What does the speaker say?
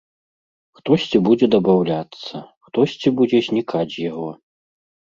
Хтосьці будзе дабаўляцца, хтосьці будзе знікаць з яго.